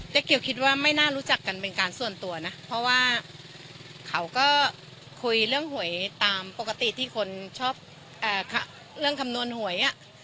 เกี่ยวคิดว่าไม่น่ารู้จักกันเป็นการส่วนตัวนะเพราะว่าเขาก็คุยเรื่องหวยตามปกติที่คนชอบเรื่องคำนวณหวย